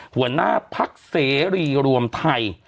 หัวหน้าพักเสรีรวมไทย